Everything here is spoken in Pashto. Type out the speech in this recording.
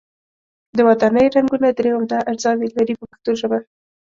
د ودانیو رنګونه درې عمده اجزاوې لري په پښتو ژبه.